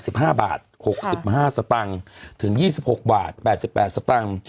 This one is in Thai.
ห้าบาทหกสิบห้าสตังค์ถึงยี่สิบหกบาทแปดสิบแปดสตังค์